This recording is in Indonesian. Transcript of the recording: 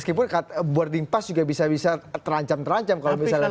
meskipun boarding pass juga bisa bisa terancam terancam kalau misalnya